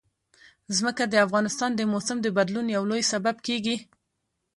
ځمکه د افغانستان د موسم د بدلون یو لوی سبب کېږي.